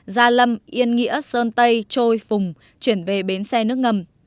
gia lâm yên nghĩa sơn tây trôi phùng chuyển về bến xe nước ngầm